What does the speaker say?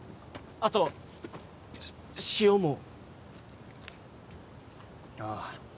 あと塩もああ